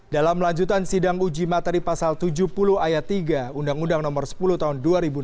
dalam lanjutan sidang uji materi pasal tujuh puluh ayat tiga undang undang nomor sepuluh tahun dua ribu enam belas